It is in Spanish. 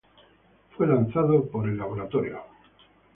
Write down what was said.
Fue lanzado por el Lab.